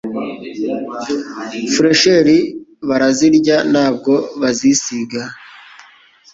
Flecheur barazirya ntabwo bazisiga.